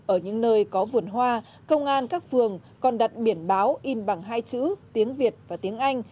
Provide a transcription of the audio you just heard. ở những nơi có vườn hoa công an các phường còn đặt biển báo in bằng hai chữ tiếng việt và tiếng anh